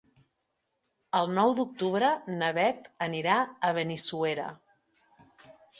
El nou d'octubre na Beth anirà a Benissuera.